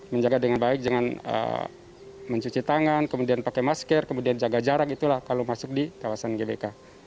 menjaga dengan baik jangan mencuci tangan kemudian pakai masker kemudian jaga jarak itulah kalau masuk di kawasan gbk